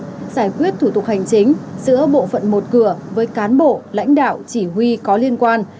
giải quyết thủ tục hành chính giữa bộ phận một cửa với cán bộ lãnh đạo chỉ huy có liên quan